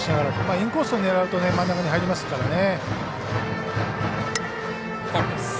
インコースを狙うと真ん中に入りますからね。